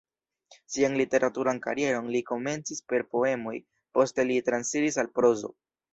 Sian literaturan karieron li komencis per poemoj, poste li transiris al prozo.